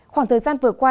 khoảng thời gian vừa qua